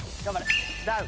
ダウン。